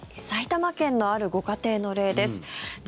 埼玉県の、あるご家庭の例です。